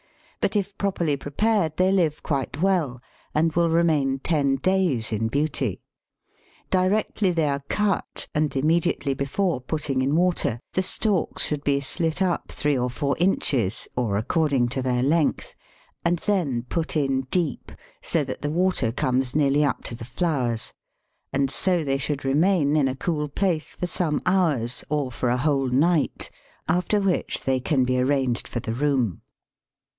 But if properly prepared they live quite well, and will remain ten days in beauty. Directly they are cut, and immediately before putting in water, the stalks should be slit up three or four inches, or according to their length, and then put in deep, so that the water comes nearly up to the flowers; and so they should remain, in a cool place, for some hours, or for a whole night, after which they can be arranged for the room.